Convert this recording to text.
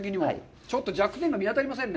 ちょっと弱点が見当たりませんね。